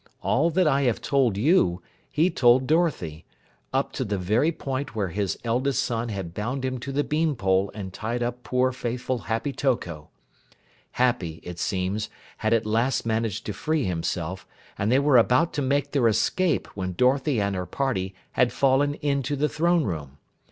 All that I have told you, he told Dorothy, up to the very point where his eldest son had bound him to the bean pole and tied up poor, faithful Happy Toko. Happy, it seems, had at last managed to free himself, and they were about to make their escape when Dorothy and her party had fallen into the throne room.